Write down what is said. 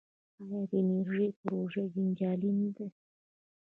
آیا د انرژۍ پروژې جنجالي نه دي؟